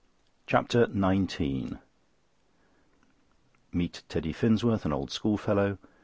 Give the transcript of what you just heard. CHAPTER XIX Meet Teddy Finsworth, an old schoolfellow.